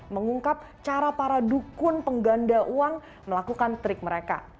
mengungkap cara para dukun pengganda uang melakukan trik mereka